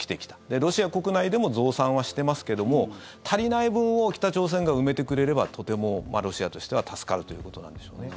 ロシア国内でも増産はしてますけども足りない分を北朝鮮が埋めてくれればとてもロシアとしては助かるということなんでしょうね。